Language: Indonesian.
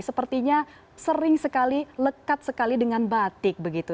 sepertinya sering sekali lekat sekali dengan batik begitu